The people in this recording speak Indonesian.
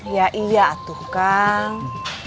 ya iya tuh kang